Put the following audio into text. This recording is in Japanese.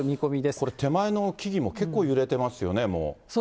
これ、手前の木々も結構揺れてますよね、もう。